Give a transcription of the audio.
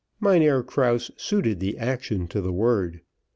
Mynheer Krause suited the action to the word.